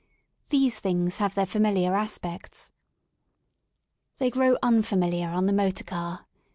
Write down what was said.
These things have their familiar aspects. They grow un fami 1 iar on the m otor car.